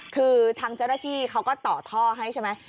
คือทางเจ้าหน้าที่เขาก็ต่อท่อให้ใช่ไหม